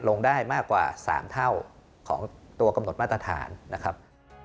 ลงได้มากกว่า๓เท่าของตัวกำหนดมาตรฐานนะครับ